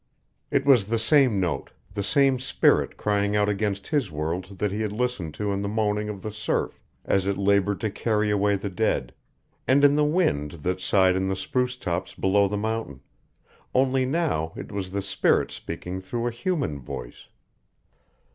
It was the same note, the same spirit crying out against his world that he had listened to in the moaning of the surf as it labored to carry away the dead, and in the wind that sighed in the spruce tops below the mountain, only now it was the spirit speaking through a human voice.